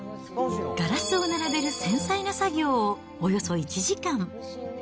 ガラスを並べる繊細な作業をおよそ１時間。